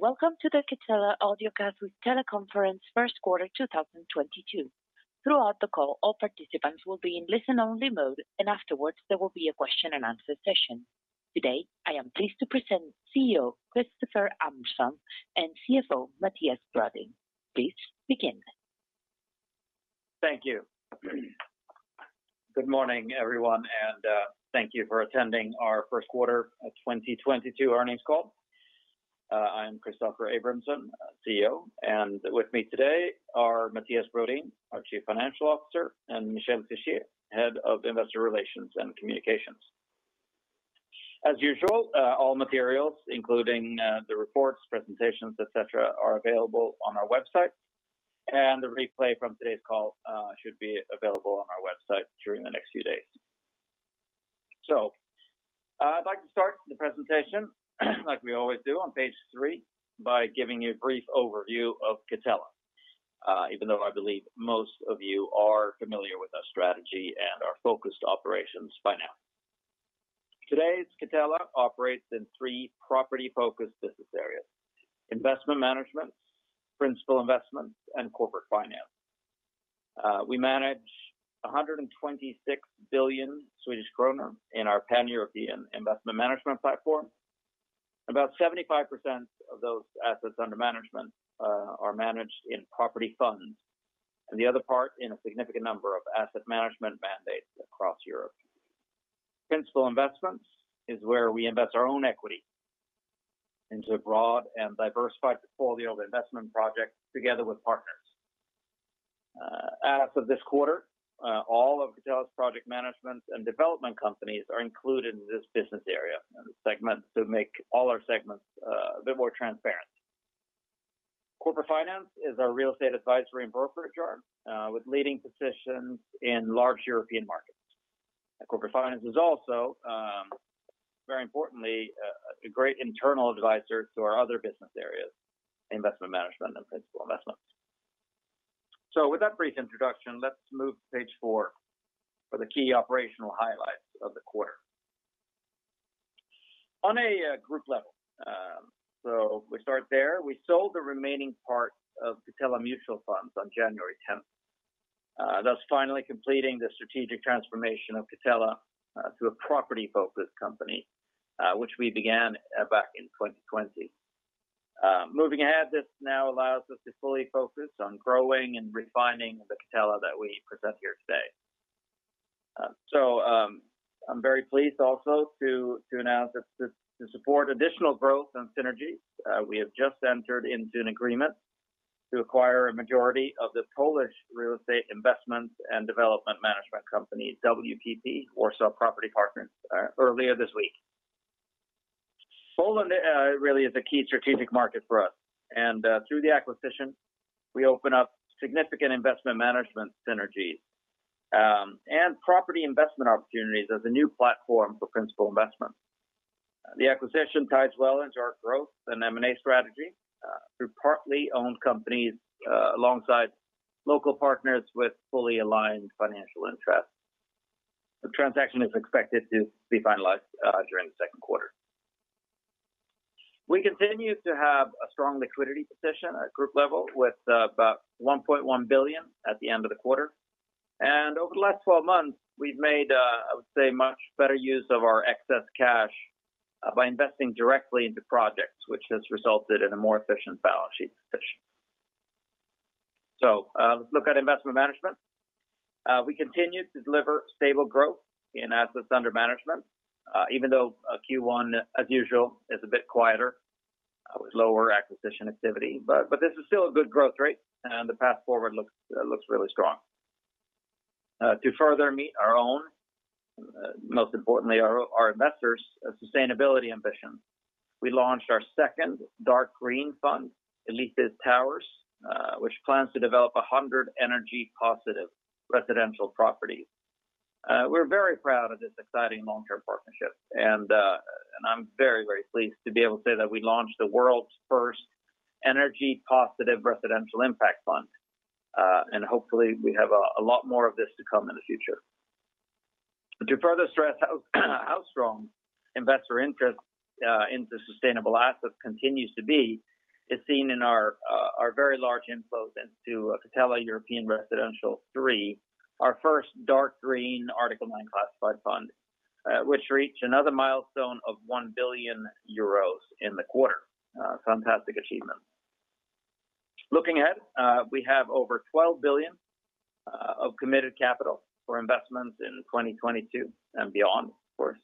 Welcome to the Catella Audiocast with Teleconference first quarter 2022. Throughout the call, all participants will be in listen-only mode, and afterwards, there will be a Q&A session. Today, I am pleased to present CEO Christoffer Abramson and CFO Mattias Brodin. Please begin. Thank you. Good morning, everyone, and thank you for attending our first quarter of 2022 earnings call. I am Christoffer Abramson, CEO, and with me today are Mattias Brodin, our Chief Financial Officer, and Michel Fischier, Head of Investor Relations and Communications. As usual, all materials, including the reports, presentations, et cetera, are available on our website, and the replay from today's call should be available on our website during the next few days. I'd like to start the presentation like we always do on page three by giving you a brief overview of Catella, even though I believe most of you are familiar with our strategy and our focused operations by now. Today, Catella operates in three property-focused business areas, investment management, principal investment, and corporate finance. We manage 126 billion Swedish kronor in our pan-European investment management platform. About 75% of those assets under management are managed in property funds, and the other part in a significant number of asset management mandates across Europe. Principal investments is where we invest our own equity into a broad and diversified portfolio of investment projects together with partners. As of this quarter, all of Catella's project management and development companies are included in this business area and segment to make all our segments a bit more transparent. Corporate finance is our real estate advisory and brokerage arm with leading positions in large European markets. Corporate finance is also very importantly a great internal advisor to our other business areas, investment management and principal investments. With that brief introduction, let's move to page four for the key operational highlights of the quarter. On a group level, we start there. We sold the remaining part of Catella Mutual Funds on January 10th, thus finally completing the strategic transformation of Catella to a property-focused company, which we began back in 2020. Moving ahead, this now allows us to fully focus on growing and refining the Catella that we present here today. I'm very pleased. Also, to support additional growth and synergy, we have just entered into an agreement to acquire a majority of the Polish real estate investment and development management company WPP, Warsaw Property Partners, earlier this week. Poland really is a key strategic market for us, and through the acquisition, we open up significant investment management synergies, and property investment opportunities as a new platform for principal investment. The acquisition ties well into our growth and M&A strategy through partly owned companies alongside local partners with fully aligned financial interests. The transaction is expected to be finalized during the second quarter. We continue to have a strong liquidity position at group level with about 1.1 billion at the end of the quarter. Over the last 12 months, we've made, I would say, much better use of our excess cash by investing directly into projects, which has resulted in a more efficient balance sheet position. Look at investment management. We continue to deliver stable growth in assets under management, even though Q1, as usual, is a bit quieter with lower acquisition activity. This is still a good growth rate, and the path forward looks really strong. To further meet our own, most importantly, our investors' sustainability ambition, we launched our second dark green fund, Elithis Towers, which plans to develop 100 energy positive residential properties. We're very proud of this exciting long-term partnership, and I'm very pleased to be able to say that we launched the world's first energy positive residential impact fund. Hopefully we have a lot more of this to come in the future. To further stress how strong investor interest into sustainable assets continues to be is seen in our very large inflows into Catella European Residential III, our first dark green Article 9 classified fund, which reached another milestone of 1 billion euros in the quarter. Fantastic achievement. Looking ahead, we have over 12 billion of committed capital for investments in 2022 and beyond, of course,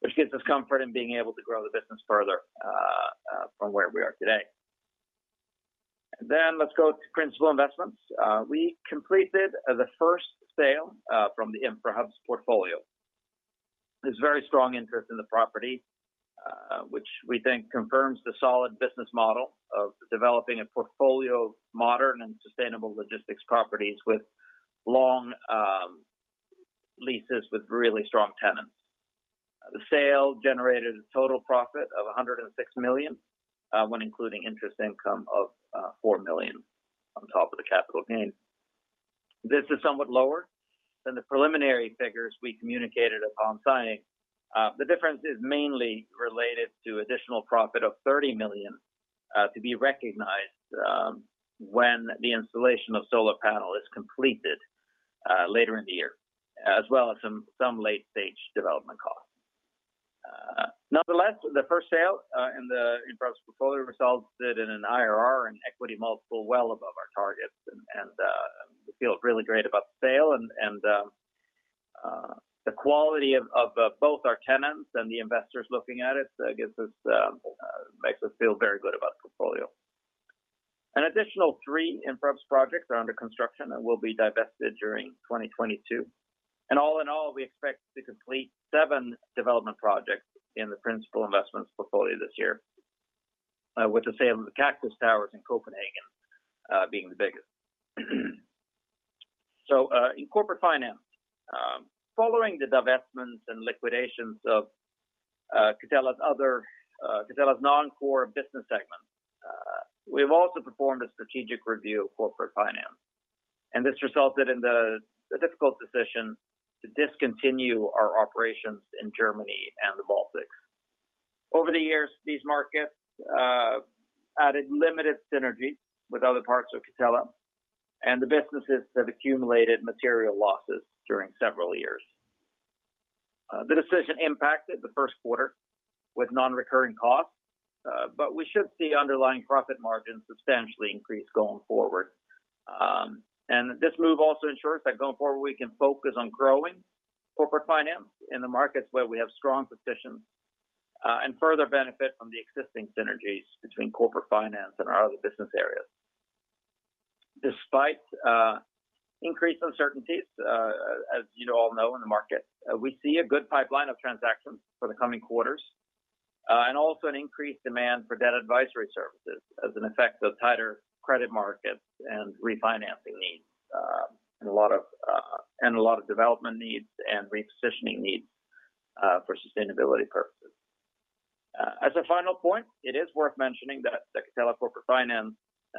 which gives us comfort in being able to grow the business further from where we are today. Let's go to principal investments. We completed the first sale from the Infrahubs portfolio. There's very strong interest in the property, which we think confirms the solid business model of developing a portfolio of modern and sustainable logistics properties with long leases with really strong tenants. The sale generated a total profit of 106 million when including interest income of 4 million on top of the capital gain. This is somewhat lower than the preliminary figures we communicated upon signing. The difference is mainly related to additional profit of 30 million to be recognized when the installation of solar panel is completed later in the year, as well as some late-stage development costs. Nonetheless, the first sale in the Infrahubs portfolio resulted in an IRR and equity multiple well above our targets. We feel really great about the sale and the quality of both our tenants and the investors looking at it gives us makes us feel very good about the portfolio. An additional three Infrahubs projects are under construction and will be divested during 2022. All in all, we expect to complete seven development projects in the principal investments portfolio this year, with the sale of the Kaktus Towers in Copenhagen being the biggest. In corporate finance, following the divestments and liquidations of Catella's other non-core business segments, we have also performed a strategic review of corporate finance, and this resulted in the difficult decision to discontinue our operations in Germany and the Baltics. Over the years, these markets added limited synergies with other parts of Catella, and the businesses have accumulated material losses during several years. The decision impacted the first quarter with non-recurring costs, but we should see underlying profit margins substantially increase going forward. This move also ensures that going forward, we can focus on growing corporate finance in the markets where we have strong positions, and further benefit from the existing synergies between corporate finance and our other business areas. Despite increased uncertainties, as you all know in the market, we see a good pipeline of transactions for the coming quarters, and also an increased demand for debt advisory services as an effect of tighter credit markets and refinancing needs, and a lot of development needs and repositioning needs for sustainability purposes. As a final point, it is worth mentioning that the Catella corporate finance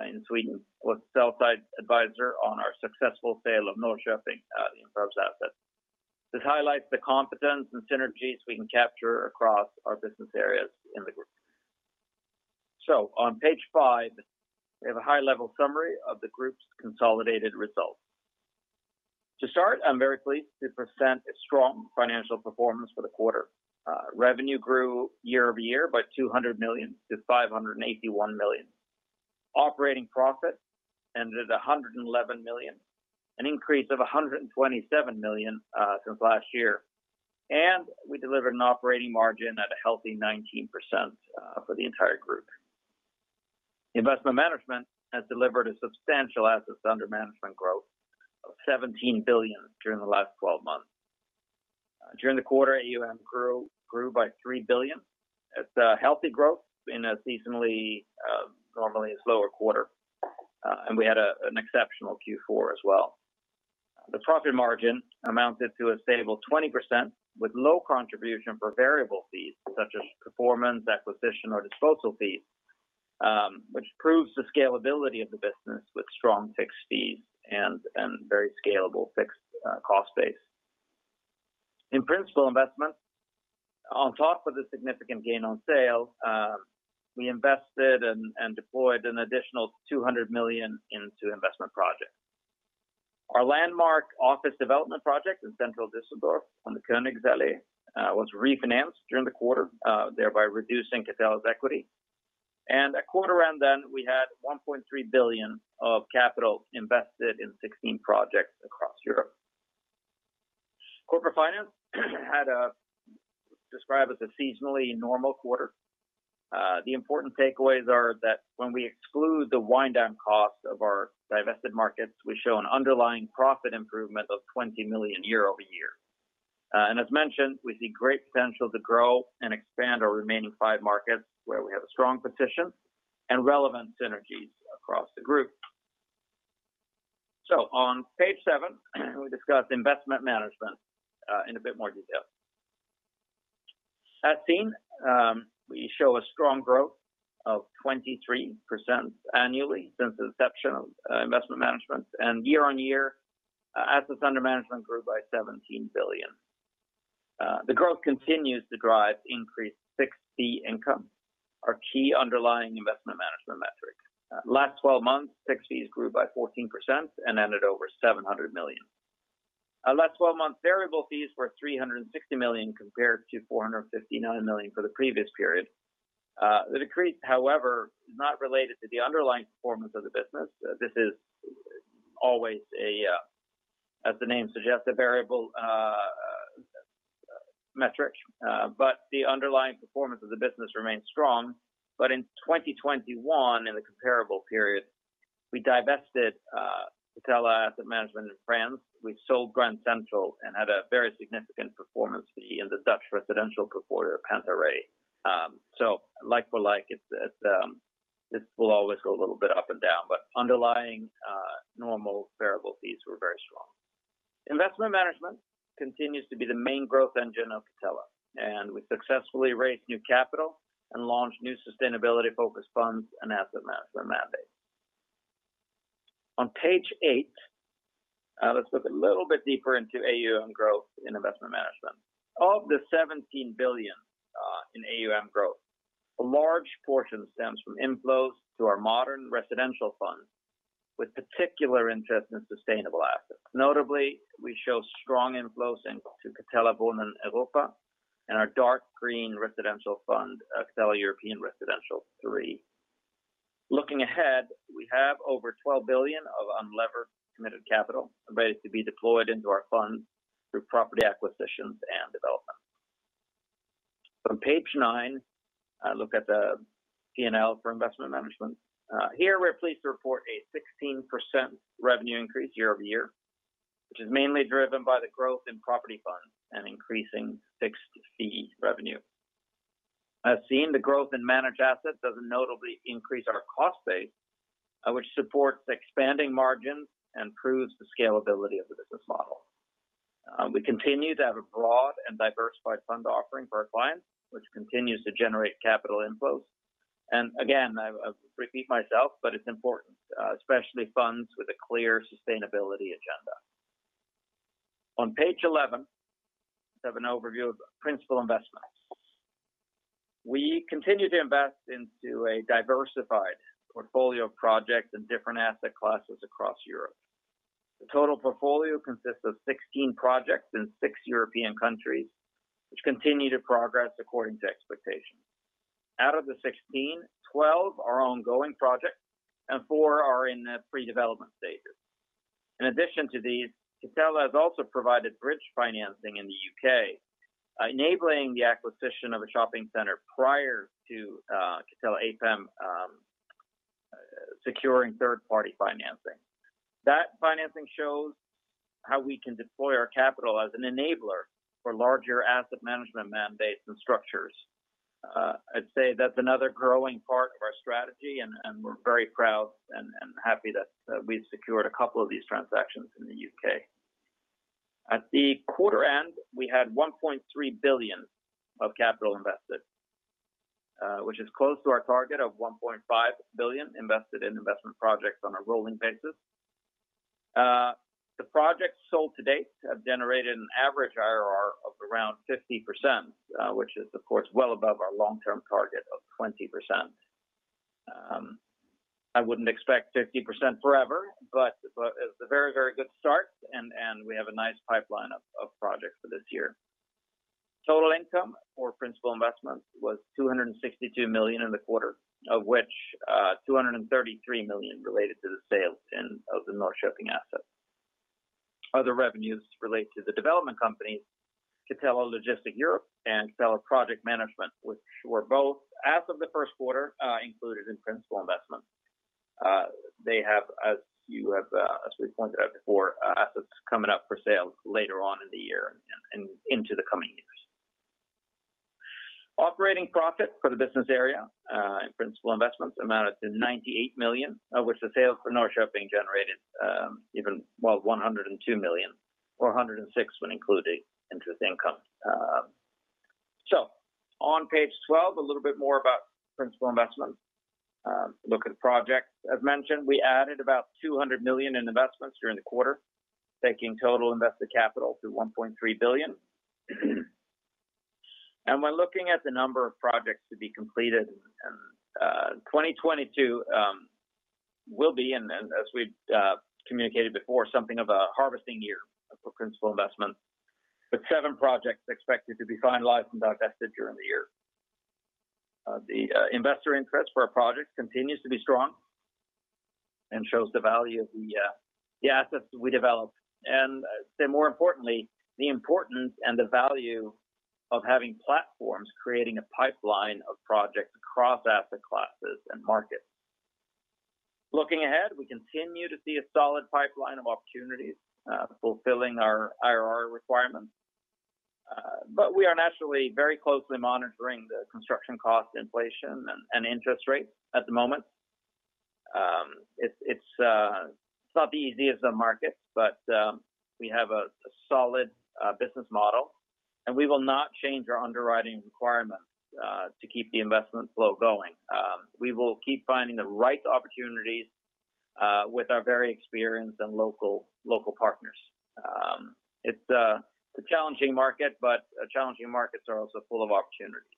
in Sweden was sell-side advisor on our successful sale of Norrköping, the Infrahubs asset. This highlights the competence and synergies we can capture across our business areas in the group. On page five, we have a high-level summary of the group's consolidated results. To start, I'm very pleased to present a strong financial performance for the quarter. Revenue grew year-over-year by 200 million-581 million. Operating profit ended at 111 million, an increase of 127 million since last year. We delivered an operating margin at a healthy 19% for the entire group. Investment management has delivered a substantial asset under management growth of 17 billion during the last 12 months. During the quarter, AUM grew by 3 billion. It's a healthy growth in a seasonally normally slower quarter. We had an exceptional Q4 as well. The profit margin amounted to a stable 20% with low contribution for variable fees such as performance, acquisition, or disposal fees, which proves the scalability of the business with strong fixed fees and very scalable fixed cost base. In principal investments, on top of the significant gain on sale, we invested and deployed an additional 200 million into investment projects. Our landmark office development project in central Düsseldorf on the Königsallee was refinanced during the quarter, thereby reducing Catella's equity. At quarter-end we had 1.3 billion of capital invested in 16 projects across Europe. Corporate finance had, as described, a seasonally normal quarter. The important takeaways are that when we exclude the wind down costs of our divested markets, we show an underlying profit improvement of SEK 20 million year-over-year. As mentioned, we see great potential to grow and expand our remaining five markets where we have a strong position and relevant synergies across the group. On page seven, we discuss investment management in a bit more detail. As seen, we show a strong growth of 23% annually since the inception of investment management and year on year, assets under management grew by 17 billion. The growth continues to drive increased fixed fee income, our key underlying investment management metric. Last twelve months, fixed fees grew by 14% and ended over 700 million. Our last 12-month variable fees were 360 million compared to 459 million for the previous period. The decrease, however, is not related to the underlying performance of the business. This is always a, as the name suggests, a variable metric, but the underlying performance of the business remains strong. In 2021, in the comparable period, we divested Catella Asset Management in France. We sold Grand Central and had a very significant performance fee in the Dutch residential portfolio Penterra. Like for like it's this will always go a little bit up and down, but underlying normal variable fees were very strong. Investment management continues to be the main growth engine of Catella, and we successfully raised new capital and launched new sustainability-focused funds and asset management mandates. On page eight, let's look a little bit deeper into AUM growth in investment management. Of the 17 billion in AUM growth, a large portion stems from inflows to our modern residential funds with particular interest in sustainable assets. Notably, we show strong inflows into Catella Wohnen Europa and our dark green residential fund, Catella European Residential III. Looking ahead, we have over 12 billion of unlevered committed capital ready to be deployed into our funds through property acquisitions and development. On page nine, I look at the P&L for investment management. Here we're pleased to report a 16% revenue increase year-over-year, which is mainly driven by the growth in property funds and increasing fixed fee revenue. As seen, the growth in managed assets doesn't notably increase our cost base, which supports expanding margins and proves the scalability of the business model. We continue to have a broad and diversified fund offering for our clients, which continues to generate capital inflows. I repeat myself, but it's important, especially funds with a clear sustainability agenda. On page eleven, we have an overview of principal investments. We continue to invest into a diversified portfolio of projects in different asset classes across Europe. The total portfolio consists of 16 projects in six European countries, which continue to progress according to expectations. Out of the 16, 12 are ongoing projects and four are in the pre-development stages. In addition to these, Catella has also provided bridge financing in the U.K., enabling the acquisition of a shopping center prior to Catella APAM securing third-party financing. That financing shows how we can deploy our capital as an enabler for larger asset management mandates and structures. I'd say that's another growing part of our strategy and we're very proud and happy that we've secured a couple of these transactions in the U.K. At the quarter end, we had 1.3 billion of capital invested, which is close to our target of 1.5 billion invested in investment projects on a rolling basis. The projects sold to date have generated an average IRR of around 50%, which is, of course, well above our long-term target of 20%. I wouldn't expect 50% forever, but it's a very, very good start and we have a nice pipeline of projects for this year. Total income for principal investments was 262 million in the quarter, of which, 233 million related to the sale of the Norrköping asset. Other revenues relate to the development companies Catella Logistic Europe and Catella Project Management, which were both, as of the first quarter, included in principal investment. They have, as you have, as we pointed out before, assets coming up for sale later on in the year and into the coming years. Operating profit for the business area in principal investments amounted to 98 million, of which the sale for Norrköping generated 102 million, or 106 million when including interest income. On page 12, a little bit more about principal investment. Look at projects. As mentioned, we added about 200 million in investments during the quarter, taking total invested capital to 1.3 billion. When looking at the number of projects to be completed in 2022, as we've communicated before, something of a harvesting year for principal investment, with seven projects expected to be finalized and divested during the year. The investor interest for our projects continues to be strong and shows the value of the assets we developed, and I'd say more importantly, the importance and the value of having platforms creating a pipeline of projects across asset classes and markets. Looking ahead, we continue to see a solid pipeline of opportunities fulfilling our IRR requirements. We are naturally very closely monitoring the construction cost inflation and interest rates at the moment. It's not the easiest of markets, but we have a solid business model, and we will not change our underwriting requirements to keep the investment flow going. We will keep finding the right opportunities with our very experienced and local partners. It's a challenging market, but challenging markets are also full of opportunities.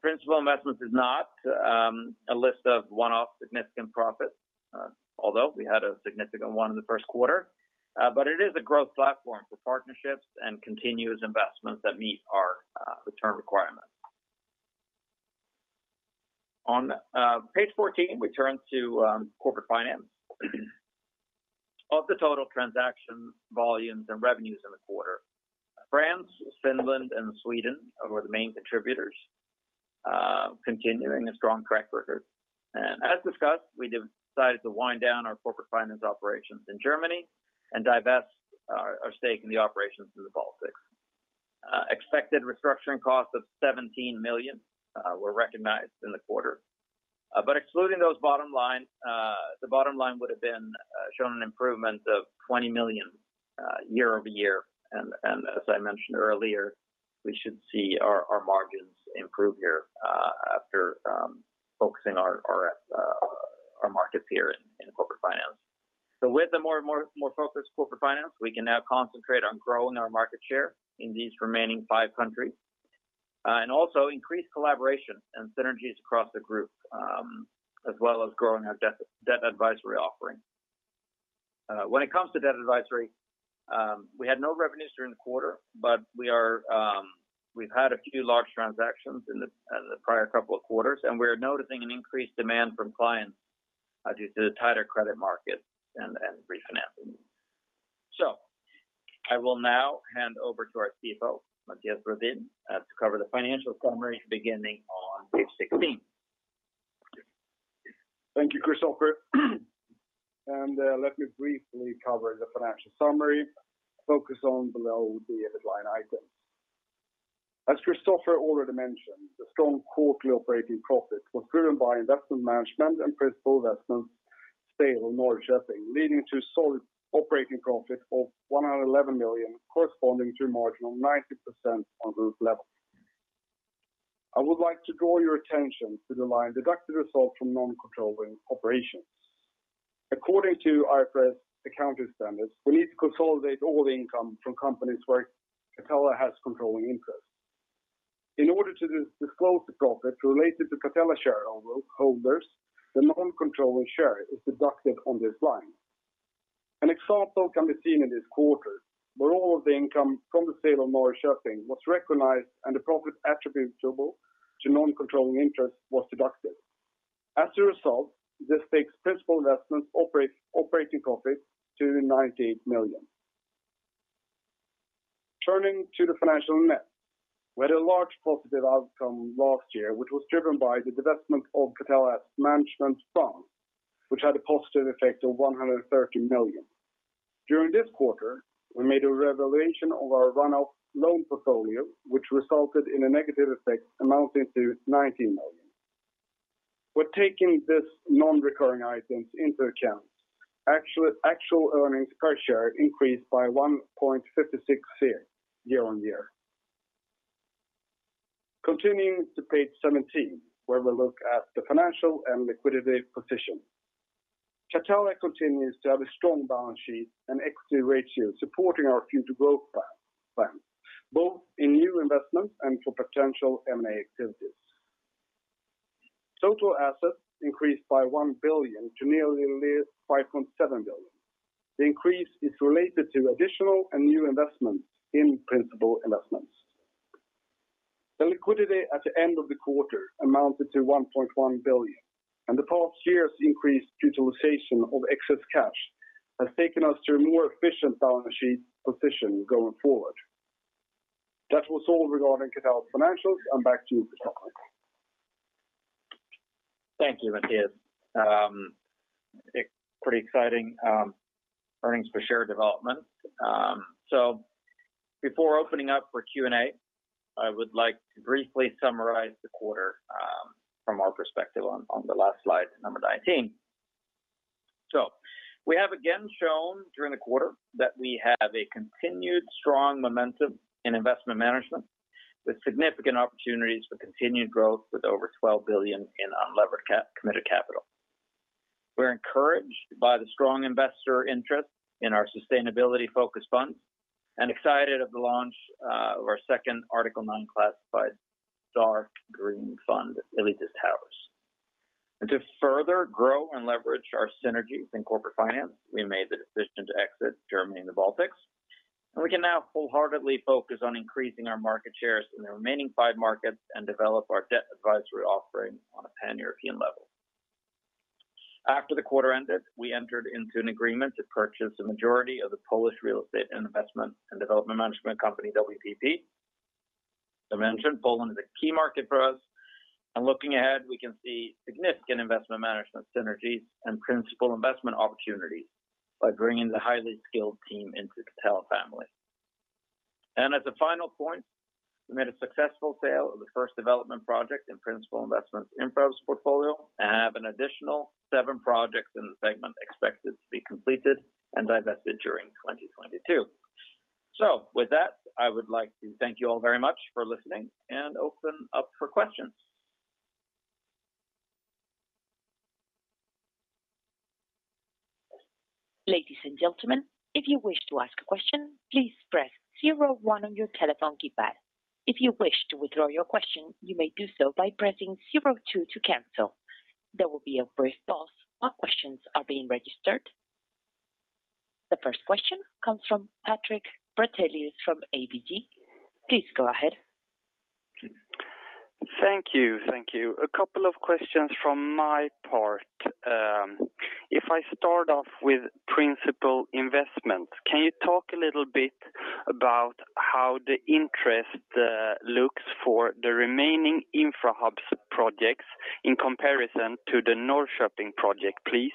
Principal investments is not a list of one-off significant profits, although we had a significant one in the first quarter. It is a growth platform for partnerships and continuous investments that meet our return requirements. On page 14, we turn to corporate finance. Of the total transaction volumes and revenues in the quarter, France, Finland, and Sweden were the main contributors, continuing a strong track record. As discussed, we decided to wind down our corporate finance operations in Germany and divest our stake in the operations in the Baltics. Expected restructuring costs of 17 million were recognized in the quarter. Excluding those, the bottom line would have been shown an improvement of 20 million year-over-year. As I mentioned earlier, we should see our margins improve here after focusing our markets here in corporate finance. With a more focused corporate finance we can now concentrate on growing our market share in these remaining five countries, and also increase collaboration and synergies across the group, as well as growing our debt advisory offering. When it comes to debt advisory, we had no revenues during the quarter, but we've had a few large transactions in the prior couple of quarters, and we're noticing an increased demand from clients as due to the tighter credit market and refinancing. I will now hand over to our CFO, Mattias Brodin, to cover the financial summary beginning on page 16. Thank you, Christoffer. Let me briefly cover the financial summary focus on below the headline items. As Christoffer already mentioned, the strong quarterly operating profit was driven by investment management and principal investments sale in Norrköping, leading to solid operating profit of 111 million corresponding to a margin of 90% on group level. I would like to draw your attention to the line deducted result from non-controlling operations. According to IFRS accounting standards, we need to consolidate all the income from companies where Catella has controlling interest. In order to disclose the profit related to Catella shareholders, the non-controlling share is deducted on this line. An example can be seen in this quarter where all of the income from the sale of Norrköping was recognized and the profit attributable to non-controlling interest was deducted. As a result, this takes principal investments operating profit to 98 million. Turning to the financial net with a large positive outcome last year, which was driven by the divestment of Catella's management fund, which had a positive effect of 130 million. During this quarter, we made a revaluation of our run-off loan portfolio, which resulted in a negative effect amounting to 19 million. We're taking these non-recurring items into account. Actual earnings per share increased by 1.56 year-on-year. Continuing to page 17 where we look at the financial and liquidity position. Catella continues to have a strong balance sheet and equity ratio supporting our future growth plan both in new investments and for potential M&A activities. Total assets increased by 1 billion to nearly 5.7 billion. The increase is related to additional and new investments in principal investments. The liquidity at the end of the quarter amounted to 1.1 billion, and the past year's increased utilization of excess cash has taken us to a more efficient balance sheet position going forward. That was all regarding Catella's financials and back to you, Christoffer. Thank you, Mattias. Pretty exciting earnings per share development. Before opening up for Q&A, I would like to briefly summarize the quarter from our perspective on the last slide number 19. We have again shown during the quarter that we have a continued strong momentum in investment management with significant opportunities for continued growth with over 12 billion in unlevered committed capital. We're encouraged by the strong investor interest in our sustainability focused fund and excited at the launch of our second Article 9 classified dark green fund, Elithis Towers. To further grow and leverage our synergies in corporate finance, we made the decision to exit Germany and the Baltics, and we can now wholeheartedly focus on increasing our market shares in the remaining five markets and develop our debt advisory offering on a pan-European level. After the quarter ended, we entered into an agreement to purchase the majority of the Polish real estate investment and development management company WPP. As I mentioned, Poland is a key market for us, and looking ahead, we can see significant investment management synergies and principal investment opportunities by bringing the highly skilled team into the Catella family. As a final point, we made a successful sale of the first development project in principal investments our portfolio and have an additional seven projects in the segment expected to be completed and divested during 2022. With that, I would like to thank you all very much for listening and open up for questions. Ladies and gentlemen, if you wish to ask a question, please press zero one on your telephone keypad. If you wish to withdraw your question, you may do so by pressing zero two to cancel. There will be a brief pause while questions are being registered. The first question comes from Patrik Brattelius from ABG. Please go ahead. Thank you. Thank you. A couple of questions from my part. If I start off with principal investment, can you talk a little bit about how the interest looks for the remaining Infrahubs projects in comparison to the Norrköping project, please.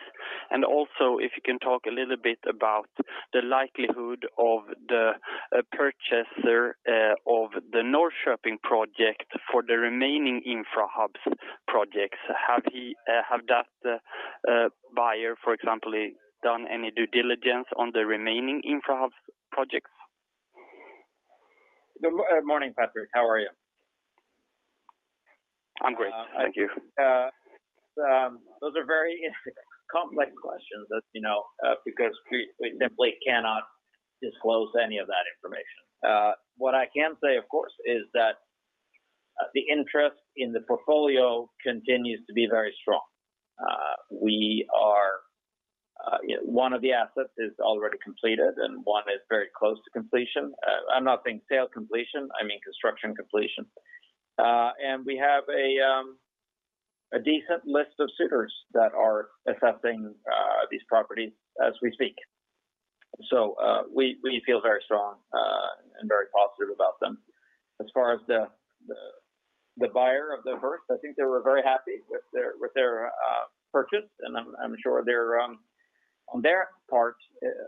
Also, if you can talk a little bit about the likelihood of the purchaser of the Norrköping project for the remaining Infrahubs projects. Have that buyer, for example, done any due diligence on the remaining Infrahubs projects? Good morning, Patrick. How are you? I'm great. Thank you. Those are very complex questions, as you know, because we simply cannot disclose any of that information. What I can say, of course, is that the interest in the portfolio continues to be very strong. One of the assets is already completed, and one is very close to completion. I'm not saying sale completion, I mean construction completion. We have a decent list of suitors that are assessing these properties as we speak. We feel very strong and very positive about them. As far as the buyer of the first, I think they were very happy with their purchase. I'm sure they're on their part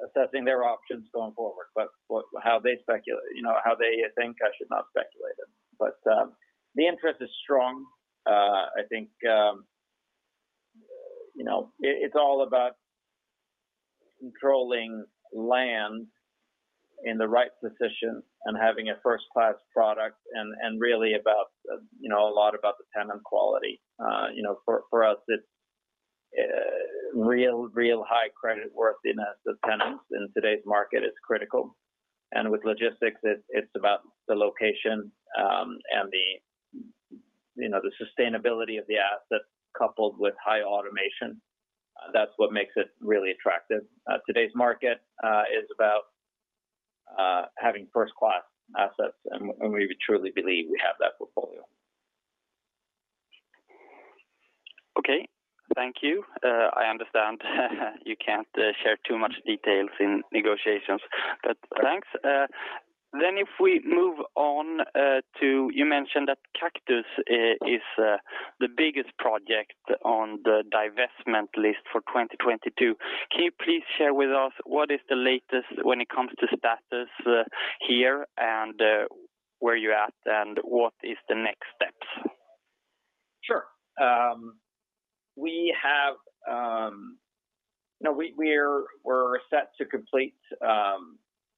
assessing their options going forward. How they think I should not speculate it. The interest is strong. I think, you know, it's all about controlling land in the right position and having a first-class product and really about, you know, a lot about the tenant quality. You know, for us, it's real high creditworthiness of tenants in today's market is critical. With logistics, it's about the location and the, you know, the sustainability of the asset coupled with high automation. That's what makes it really attractive. Today's market is about having first-class assets, and we truly believe we have that portfolio. Okay. Thank you. I understand you can't share too much details in negotiations, but thanks. If we move on to you mentioned that Kaktus is the biggest project on the divestment list for 2022. Can you please share with us what is the latest when it comes to status here and where you're at and what is the next steps? Sure. We have, you know, we're set to complete the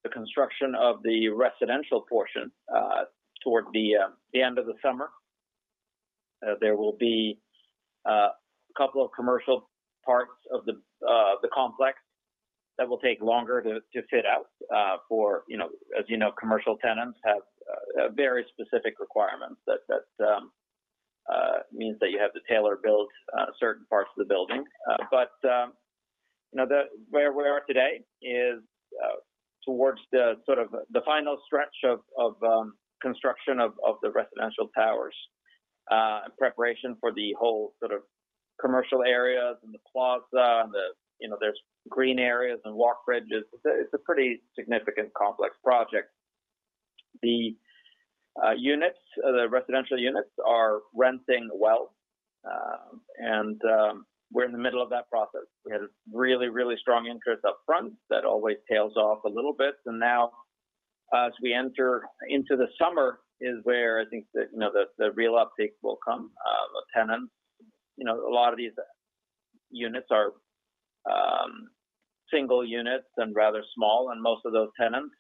construction of the residential portion toward the end of the summer. There will be a couple of commercial parts of the complex that will take longer to fit out, for, you know. As you know, commercial tenants have very specific requirements that means that you have to tailor-build certain parts of the building. But, you know, where we are today is toward the final stretch of construction of the residential towers, and preparation for the whole sort of commercial areas and the plaza and the, you know, there's green areas and walk bridges. It's a pretty significant complex project. The units, the residential units are renting well, and we're in the middle of that process. We had really strong interest upfront that always tails off a little bit. Now, as we enter into the summer, is where I think you know, the real uptick will come. The tenants, you know, a lot of these units are single units and rather small, and most of those tenants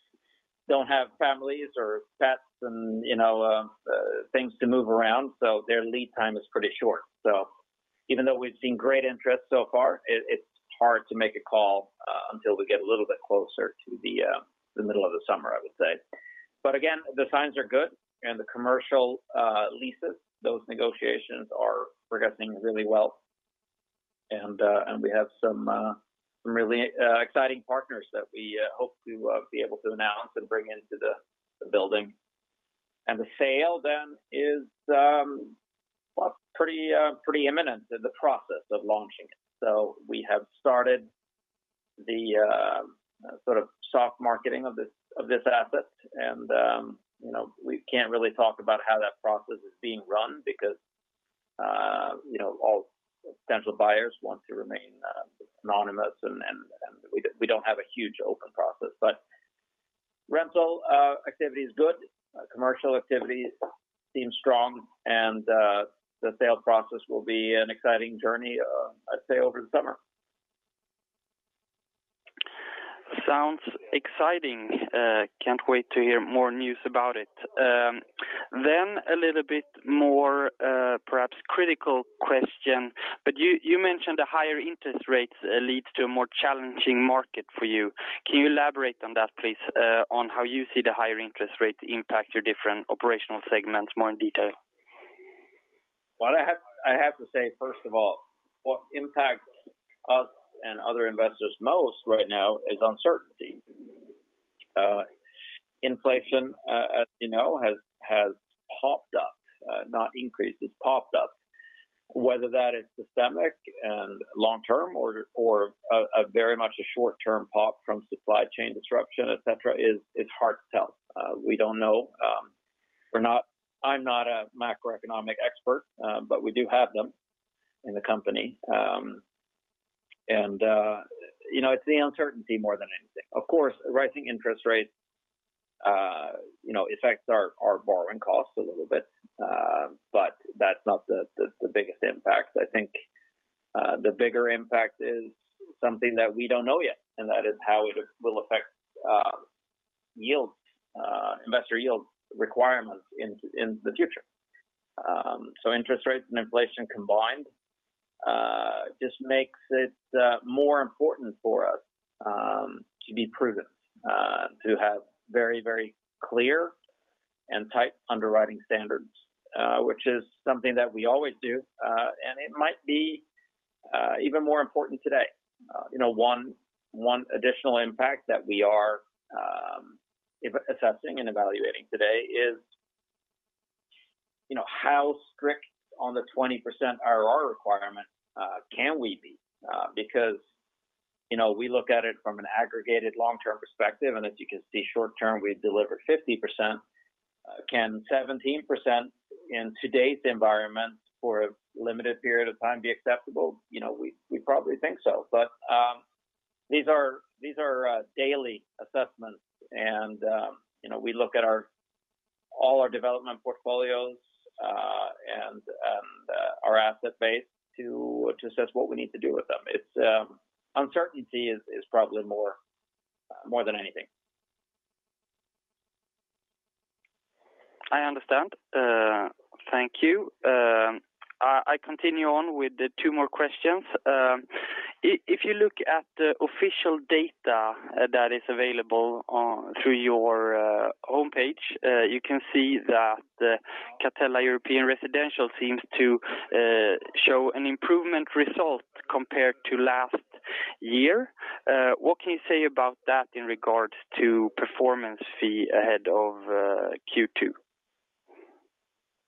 don't have families or pets and, you know, things to move around, so their lead time is pretty short. So even though we've seen great interest so far, it's hard to make a call until we get a little bit closer to the middle of the summer, I would say. Again, the signs are good and the commercial leases, those negotiations are progressing really well. We have some really exciting partners that we hope to be able to announce and bring into the building. The sale then is well pretty imminent in the process of launching it. We have started the sort of soft marketing of this asset. You know, we can't really talk about how that process is being run because you know, all potential buyers want to remain anonymous, and we don't have a huge open process. Rental activity is good, commercial activity seems strong, and the sales process will be an exciting journey, I'd say, over the summer. Sounds exciting. Can't wait to hear more news about it. A little bit more, perhaps critical question. You mentioned the higher interest rates leads to a more challenging market for you. Can you elaborate on that, please, on how you see the higher interest rates impact your different operational segments more in detail? What I have, I have to say, first of all, what impacts us and other investors most right now is uncertainty. Inflation, as you know, has popped up, not increased, it's popped up. Whether that is systemic and long-term or a very much a short term pop from supply chain disruption, et cetera, is hard to tell. We don't know. I'm not a macroeconomic expert, but we do have them in the company. You know, it's the uncertainty more than anything. Of course, rising interest rates, you know, affects our borrowing costs a little bit, but that's not the biggest impact. I think the bigger impact is something that we don't know yet, and that is how it will affect yield investor yield requirements in the future. Interest rates and inflation combined just makes it more important for us to be prudent to have very, very clear and tight underwriting standards, which is something that we always do, and it might be even more important today. You know, one additional impact that we are assessing and evaluating today is, you know, how strict on the 20% IRR requirement can we be? Because, you know, we look at it from an aggregated long-term perspective, and as you can see, short term, we deliver 50%. Can 17% in today's environment for a limited period of time be acceptable? You know, we probably think so. These are daily assessments and you know we look at all our development portfolios and our asset base to assess what we need to do with them. Its uncertainty is probably more than anything. I understand. Thank you. I continue on with two more questions. If you look at the official data that is available through your home page, you can see that Catella European Residential seems to show an improved result compared to last year. What can you say about that in regards to performance fee ahead of Q2?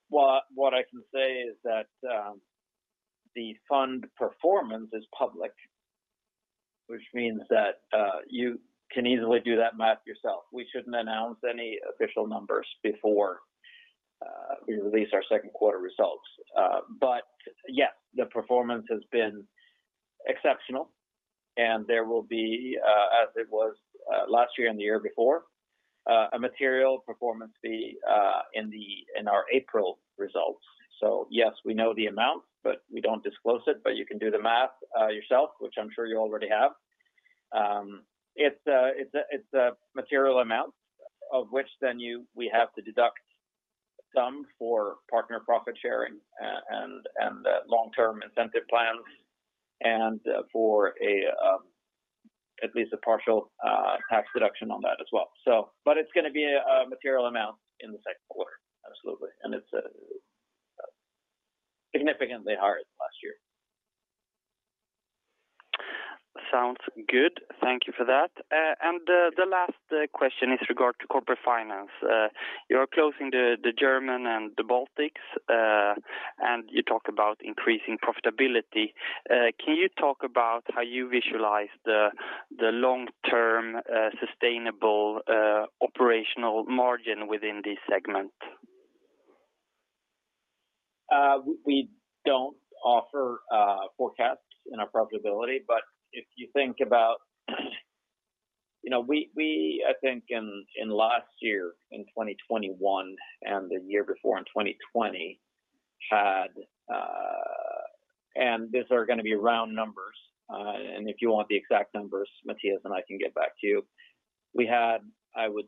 Well, what I can say is that, the fund performance is public, which means that, you can easily do that math yourself. We shouldn't announce any official numbers before, we release our second quarter results. But yes, the performance has been exceptional, and there will be, as it was, last year and the year before, a material performance fee, in our April results. So yes, we know the amount, but we don't disclose it, but you can do the math, yourself, which I'm sure you already have. It's a material amount, of which then we have to deduct some for-partner profit sharing and, long-term incentive plans and, for at least a partial, tax deduction on that as well, so. It's gonna be a material amount in the second quarter. Absolutely. It's significantly higher than last year. Sounds good. Thank you for that. The last question is regarding corporate finance. You're closing the German and the Baltics, and you talk about increasing profitability. Can you talk about how you visualize the long-term sustainable operational margin within this segment? We don't offer forecasts in our profitability, but if you think about, you know, I think in last year, in 2021 and the year before in 2020 had. These are gonna be round numbers. If you want the exact numbers, Mattias and I can get back to you. We had, I would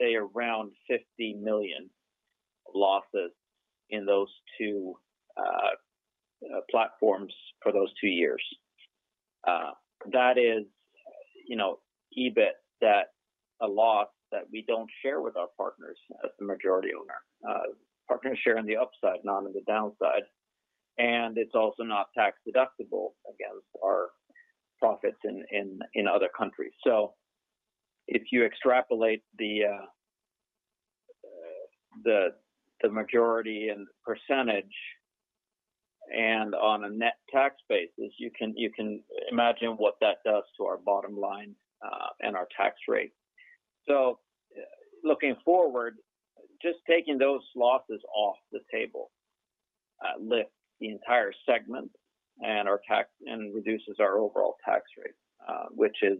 say, around 50 million losses in those two platforms for those two years. That is, you know, EBIT that a loss that we don't share with our partners as the majority owner. Partners share on the upside, not on the downside, and it's also not tax-deductible against our profits in other countries. If you extrapolate the majority and percentage and on a net tax basis, you can imagine what that does to our bottom line, and our tax rate. Looking forward, just taking those losses off the table, lifts the entire segment and our tax and reduces our overall tax rate, which is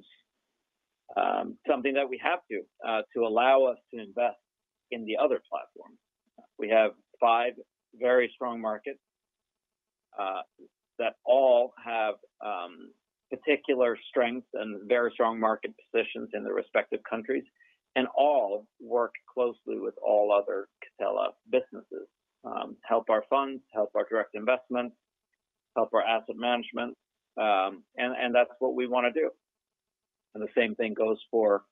something that we have to allow us to invest in the other platforms. We have five very strong markets that all have particular strengths and very strong market positions in their respective countries, and all work closely with all other Catella businesses, help our funds, help our direct investments, help our asset management, and that's what we wanna do. The same thing goes for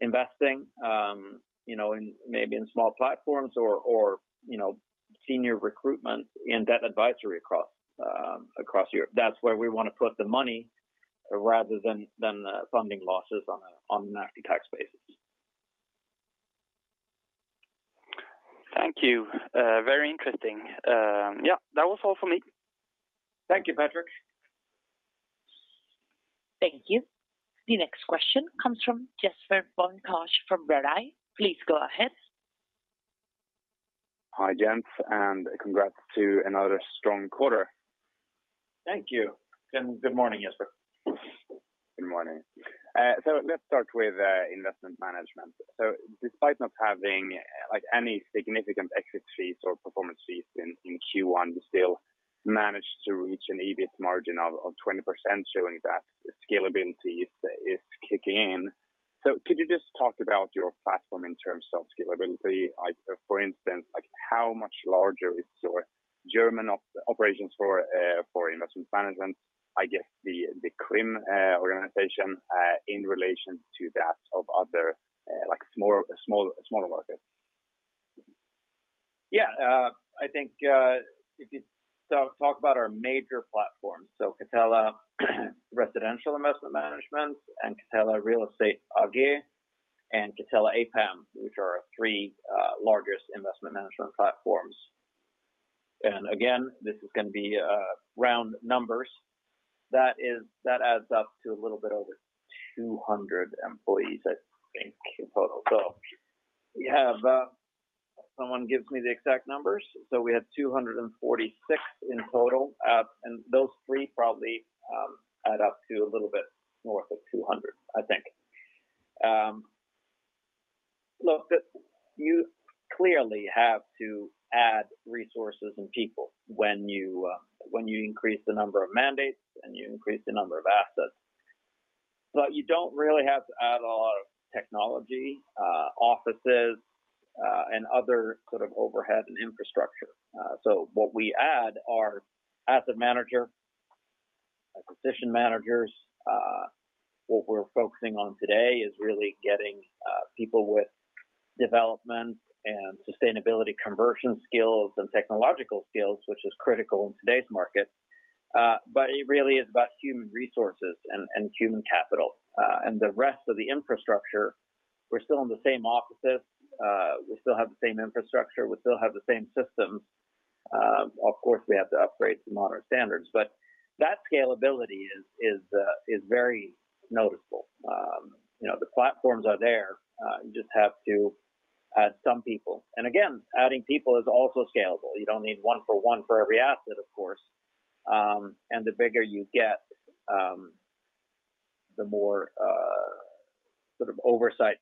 investing, you know, in maybe in small platforms or, you know, senior recruitment in debt advisory across Europe. That's where we wanna put the money rather than the funding losses on an after-tax basis. Thank you. Very interesting. Yeah, that was all for me. Thank you, Patrik. Thank you. The next question comes from Jesper von Koch from Redeye. Please go ahead. Hi, gents, and congrats to another strong quarter. Thank you. Good morning, Jesper. Good morning. Let's start with investment management. Despite not having, like, any significant exit fees or performance fees in Q1, you still managed to reach an EBIT margin of 20%, showing that scalability is kicking in. Could you just talk about your platform in terms of scalability? Like for instance, like how much larger is your German operations for investment management, I guess the CRIM organization, in relation to that of other, like smaller markets? Yeah. I think if you talk about our major platforms, so Catella Residential Investment Management and Catella Real Estate AG, and Catella APAM, which are our three largest investment management platforms. Again, this is gonna be round numbers. That adds up to a little bit over 200 employees, I think, in total. We have someone gives me the exact numbers. We have 246 in total. And those three probably add up to a little bit north of 200, I think. You clearly have to add resources and people when you increase the number of mandates and you increase the number of assets. You don't really have to add a lot of technology, offices, and other sort of overhead and infrastructure. What we add are asset managers, acquisition managers. What we're focusing on today is really getting people with development and sustainability conversion skills and technological skills, which is critical in today's market. It really is about human resources and human capital. The rest of the infrastructure, we're still in the same offices, we still have the same infrastructure. We still have the same systems. Of course, we have to upgrade to modern standards, but that scalability is very noticeable. You know, the platforms are there, you just have to add some people. Again, adding people is also scalable. You don't need one for one for every asset, of course. The bigger you get, the more sort of oversight.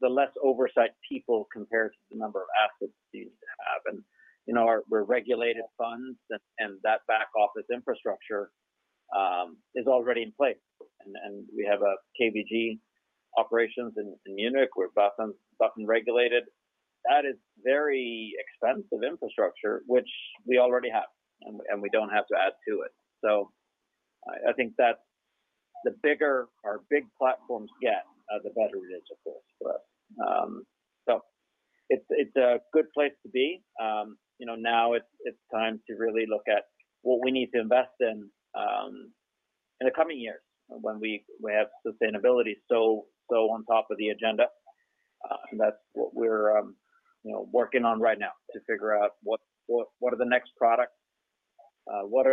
The less oversight people compared to the number of assets you need to have. You know, we're regulated funds and that back office infrastructure is already in place. We have KVG operations in Munich. We're BaFin regulated. That is very expensive infrastructure, which we already have and we don't have to add to it. I think that the bigger our big platforms get, the better it is, of course, for us. It's a good place to be. You know, now it's time to really look at what we need to invest in in the coming years when we have sustainability so on top of the agenda. That's what we're, you know, working on right now to figure out what are the next products, what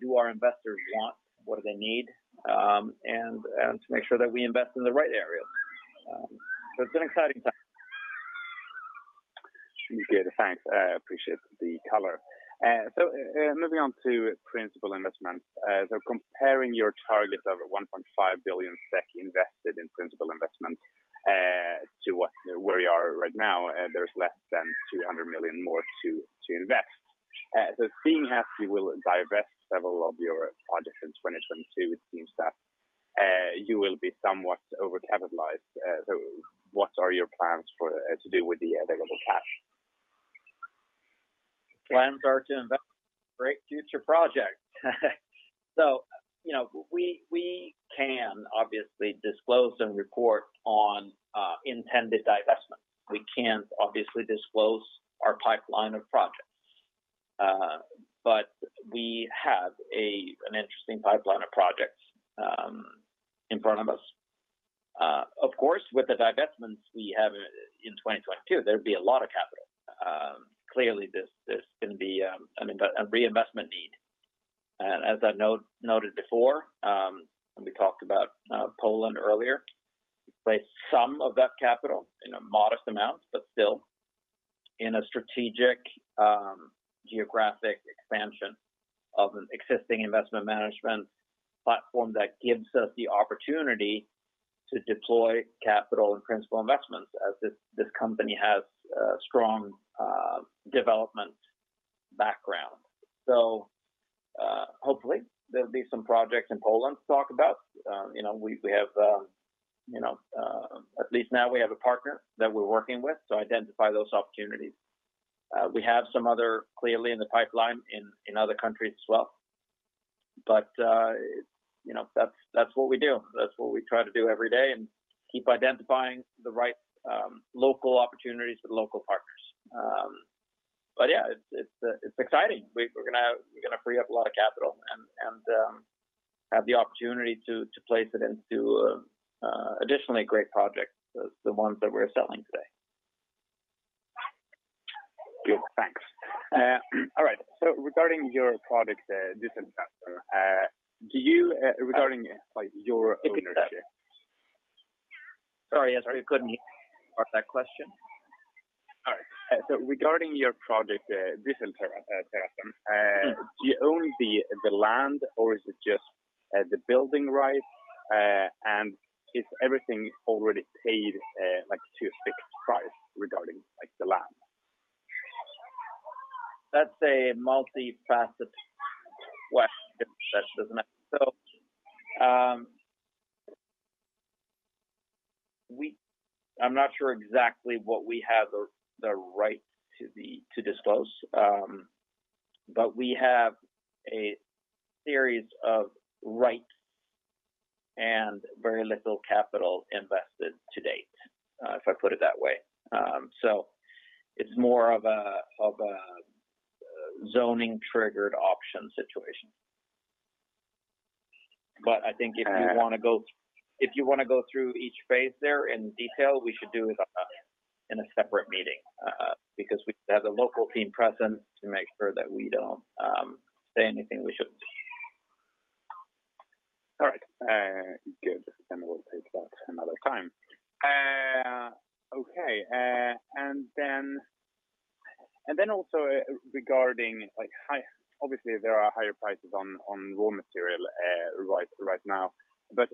do our investors want, what do they need, and to make sure that we invest in the right areas. It's an exciting time. Okay. Thanks. I appreciate the color. Moving on to principal investments. Comparing your targets of 1.5 billion SEK invested in principal investments to where you are right now, there's less than 200 million more to invest. Seeing as you will divest several of your projects in 2022, it seems that you will be somewhat overcapitalized. What are your plans to do with the available cash? Plans are to invest in great future projects. You know, we can obviously disclose and report on intended divestment. We can't obviously disclose our pipeline of projects. But we have an interesting pipeline of projects in front of us. Of course, with the divestments we have in 2022, there'd be a lot of capital. Clearly there's gonna be a reinvestment need. As I noted before, when we talked about Poland earlier, we placed some of that capital in a modest amount, but still in a strategic geographic expansion of an existing investment management platform that gives us the opportunity to deploy capital and principal investments as this company has a strong development background. Hopefully there'll be some projects in Poland to talk about. You know, we have a partner that we're working with to identify those opportunities. We have some other clearly in the pipeline in other countries as well. You know, that's what we do. That's what we try to do every day and keep identifying the right local opportunities with local partners. Yeah, it's exciting. We're gonna free up a lot of capital and have the opportunity to place it into additionally great projects as the ones that we're selling today. Good. Thanks. All right. Regarding your project Düssel-Terrassen, regarding, like, your ownership. Sorry. Could you repeat that question? All right. Regarding your project, Düssel-Terrassen, do you own the land or is it just the building right? Is everything already paid, like to a fixed price regarding, like, the land? That's a multifaceted question, Jesper, isn't it? I'm not sure exactly what we have the right to disclose, but we have a series of rights and very little capital invested to date, if I put it that way. It's more of a zoning triggered option situation. I think if you wanna go through each phase there in detail, we should do it in a separate meeting, because we have the local team present to make sure that we don't say anything we shouldn't. All right. Good. We'll take that another time. Okay. And then also, regarding, like, obviously there are higher prices on raw material right now, but,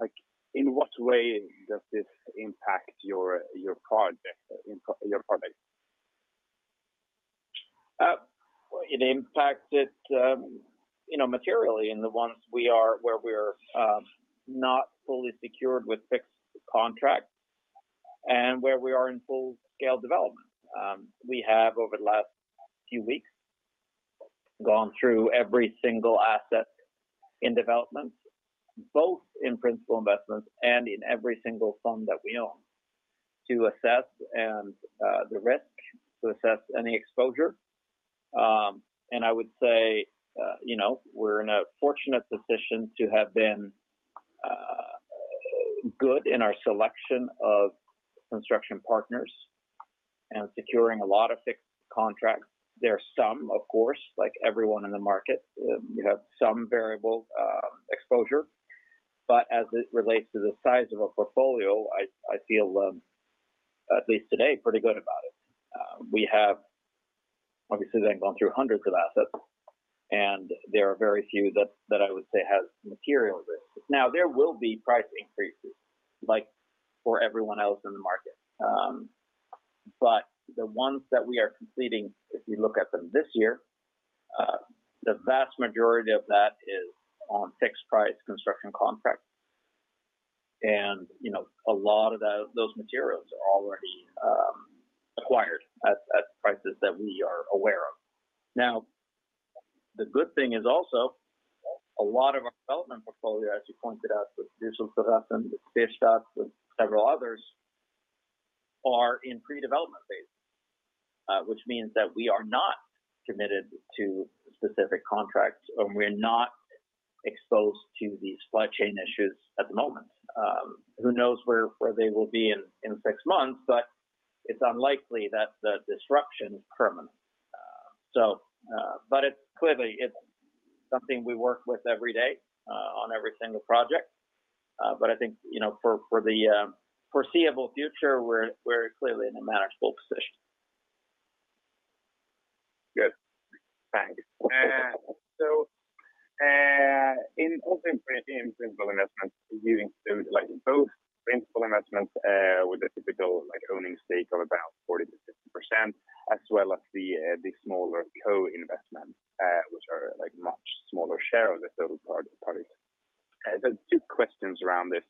like, in what way does this impact your project? It impacts it, you know, materially in the ones where we're not fully secured with fixed contracts and where we are in full scale development. We have over the last few weeks gone through every single asset in development, both in principal investments and in every single fund that we own to assess the risk and any exposure. I would say, you know, we're in a fortunate position to have been good in our selection of construction partners and securing a lot of fixed contracts. There are some of course, like everyone in the market, you have some variable exposure, but as it relates to the size of a portfolio, I feel at least today pretty good about it. We have obviously then gone through hundreds of assets and there are very few that I would say has material risks. Now there will be price increases like for everyone else in the market. But the ones that we are completing, if you look at them this year, the vast majority of that is on fixed price construction contracts. You know, a lot of those materials are already acquired at prices that we are aware of. Now the good thing is also a lot of our development portfolio, as you pointed out with Düssel-Terrassen, with Fiskedal, with several others are in pre-development phase, which means that we are not committed to specific contracts and we are not exposed to these supply chain issues at the moment. Who knows where they will be in six months, but it's unlikely that the disruption is permanent. It's clearly something we work with every day, on every single project. I think, you know, for the foreseeable future, we're clearly in a manageable position. Good. Thanks. In principal investments you include like both principal investments with a typical like owning stake of about 40%-60% as well as the smaller co-investment which are like much smaller share of the total part-project. There are two questions around this.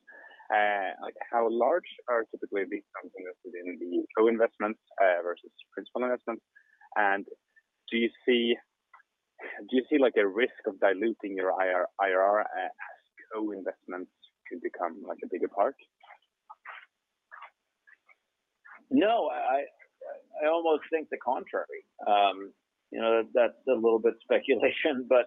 Like how large are typically the sums invested in the co-investments versus principal investments? And do you see like a risk of diluting your IRR as co-investments could become like a bigger part? No, I almost think the contrary. You know, that's a little bit speculation, but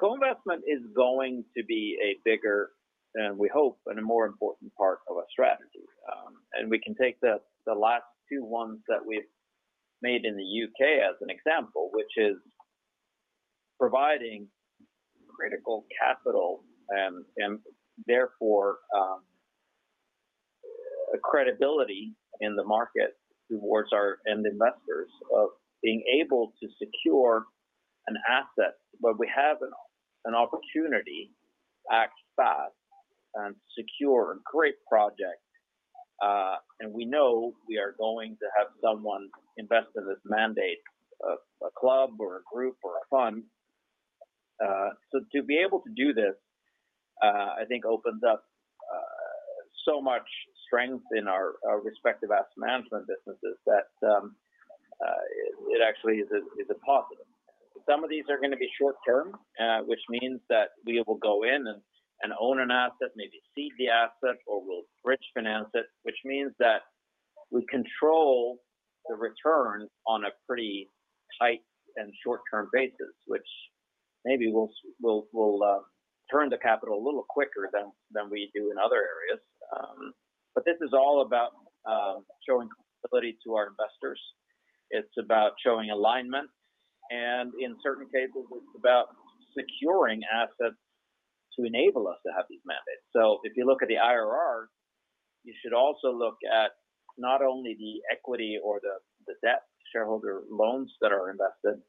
co-investment is going to be a bigger and we hope, and a more important part of our strategy. We can take the last two ones that we've made in the U.K. as an example, which is providing critical capital and therefore a credibility in the market towards our end investors of being able to secure an asset where we have an opportunity, act fast and secure a great project. We know we are going to have someone invest in this mandate, a club or a group or a fund. To be able to do this, I think opens up so much strength in our respective asset management businesses that it actually is a positive. Some of these are going to be short-term, which means that we will go in and own an asset, maybe seed the asset, or we'll bridge finance it, which means that we control the return on a pretty tight and short-term basis, which maybe we'll turn the capital a little quicker than we do in other areas. This is all about showing ability to our investors. It's about showing alignment. In certain cases, it's about securing assets to enable us to have these mandates. If you look at the IRR, you should also look at not only the equity or the debt shareholder loans that are invested,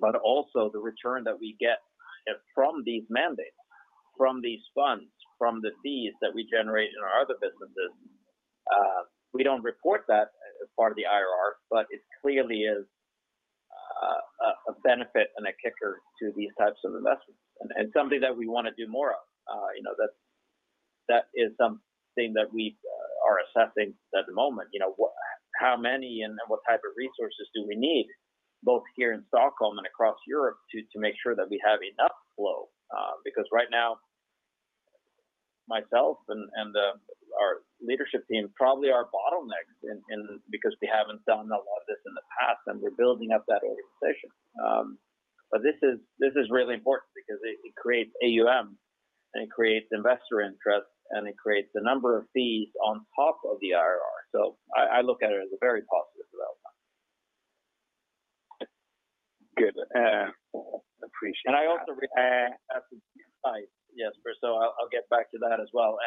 but also the return that we get from these mandates, from these funds, from the fees that we generate in our other businesses. We don't report that as part of the IRR, but it clearly is a benefit and a kicker to these types of investments, and something that we want to do more of. You know, that is something that we are assessing at the moment. You know, how many and what type of resources do we need, both here in Stockholm and across Europe to make sure that we have enough flow? Because right now, myself and our leadership team probably are bottlenecks in this because we haven't done a lot of this in the past, and we're building up that organization. This is really important because it creates AUM, and it creates investor interest, and it creates a number of fees on top of the IRR. I look at it as a very positive development. Good. Appreciate that. And I also re- Uh. Yes, I'll get back to that as well.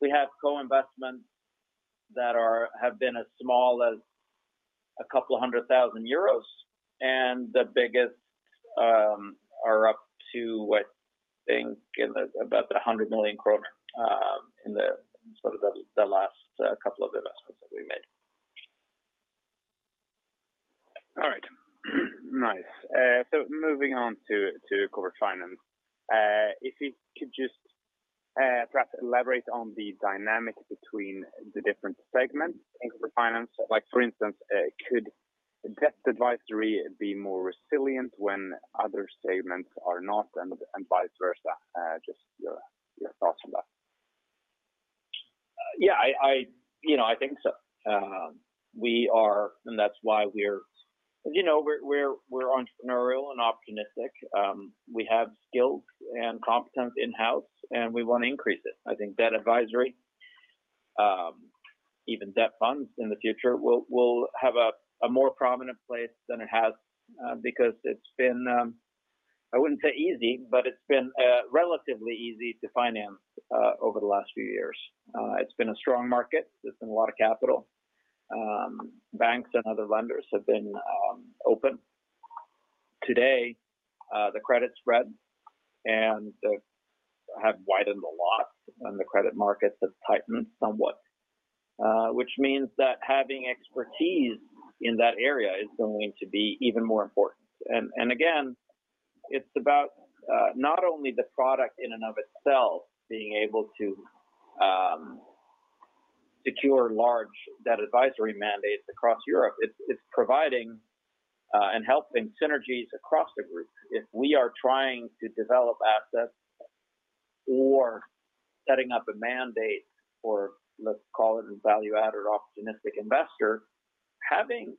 We have co-investments that have been as small as 200,000 euros and the biggest are up to, I think, about 100 million kronor in the sort of the last couple of investments that we made. All right. Nice. Moving on to corporate finance. If you could just perhaps elaborate on the dynamic between the different segments in corporate finance. Like for instance, could debt advisory be more resilient when other segments are not and vice versa? Just your thoughts on that. Yeah, you know, I think so. That's why we're entrepreneurial and opportunistic. You know, we have skills and competence in-house, and we want to increase it. I think debt advisory, even debt funds in the future will have a more prominent place than it has, because it's been, I wouldn't say easy, but it's been relatively easy to finance over the last few years. It's been a strong market. There's been a lot of capital. Banks and other lenders have been open. Today, the credit spreads have widened a lot, and the credit market has tightened somewhat, which means that having expertise in that area is going to be even more important. Again, it's about not only the product in and of itself being able to secure large debt advisory mandates across Europe. It's providing and helping synergies across the group. If we are trying to develop assets or setting up a mandate for, let's call it a value-added opportunistic investor, having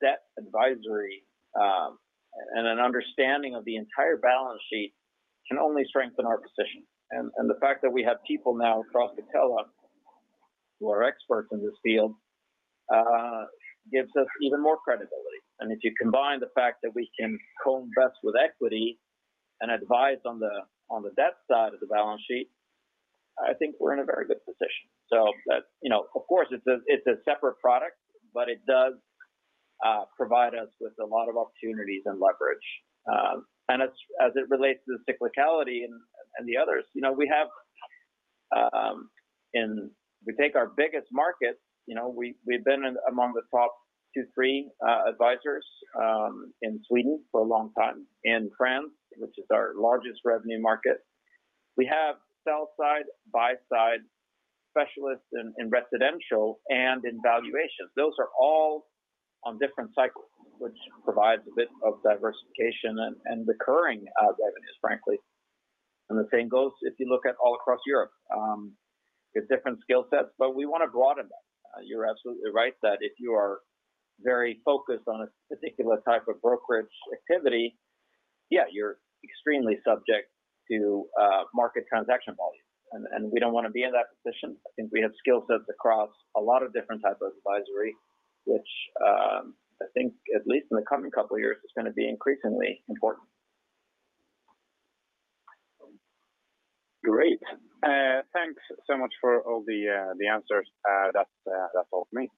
debt advisory and an understanding of the entire balance sheet can only strengthen our position. The fact that we have people now across Catella who are experts in this field gives us even more credibility. If you combine the fact that we can co-invest with equity and advise on the debt side of the balance sheet, I think we're in a very good position. You know, of course, it's a separate product, but it does provide us with a lot of opportunities and leverage. As it relates to the cyclicality and the others, you know, we take our biggest market. You know, we've been among the top two, three advisors in Sweden for a long time. In France, which is our largest revenue market, we have sell-side, buy-side specialists in residential and in valuations. Those are all on different cycles, which provides a bit of diversification and recurring revenues, frankly. The same goes if you look at all across Europe. There's different skill sets, but we want to broaden that. You're absolutely right that if you are very focused on a particular type of brokerage activity, yeah, you're extremely subject to market transaction volumes. We don't want to be in that position. I think we have skill sets across a lot of different types of advisory, which I think at least in the coming couple of years is going to be increasingly important. Great. Thanks so much for all the answers. That's all from me.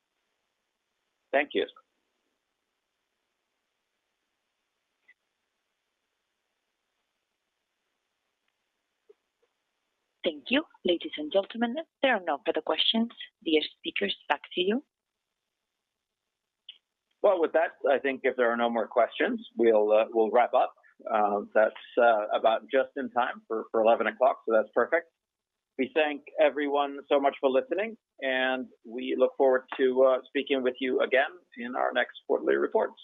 Thank you. Thank you. Ladies and gentlemen, there are no further questions. Dear speakers, back to you. Well, with that, I think if there are no more questions, we'll wrap up. That's about just in time for 11 o'clock, so that's perfect. We thank everyone so much for listening, and we look forward to speaking with you again in our next quarterly reports.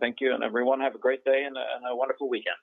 Thank you, and everyone have a great day and a wonderful weekend.